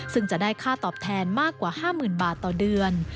ซึ่งจะได้ค่าตอบแทนมากกว่า๕๐๐๐บาทต่อเดือน